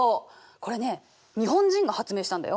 これね日本人が発明したんだよ。